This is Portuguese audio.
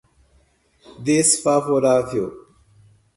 desfavorável